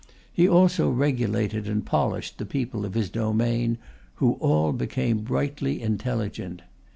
He also regulated and polished the people of his domain, who all became brightly intelligent.